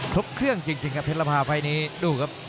ทุกเครื่องจริงครับเพชรภาไฟล์นี้ดูครับ